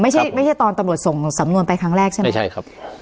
ไม่ใช่ไม่ใช่ตอนตำรวจส่งสำนวนไปครั้งแรกใช่ไหมไม่ใช่ครับ